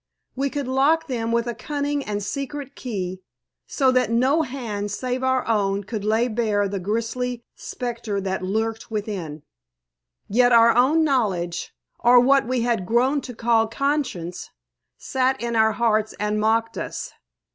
We could lock them with a cunning and secret key, so that no hand save our own could lay bare the grisly spectre that lurked within. Yet our own knowledge, or what we had grown to call conscience, sat in our hearts and mocked us.